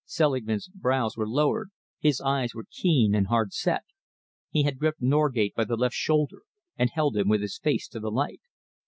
Selingman's brows were lowered, his eyes were keen and hard set. He had gripped Norgate by the left shoulder and held him with his face to the light.